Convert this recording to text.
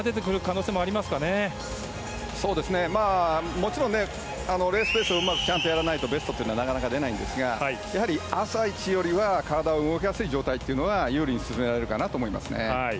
もちろん、レースペースをうまくちゃんとやらないとベストってなかなか出ないんですが朝一よりは体が動きやすい状態というので有利に進められるかなと。